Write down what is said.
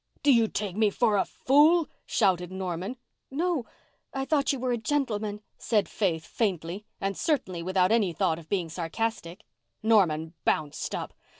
"Do you take me for a fool?" shouted Norman. "No—I thought you were a gentleman," said Faith faintly, and certainly without any thought of being sarcastic. Norman bounced up.